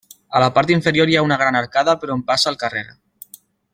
A la part inferior hi ha una gran arcada per on passa el carrer.